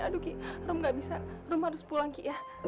aduh ki rum ga bisa rum harus pulang ki ya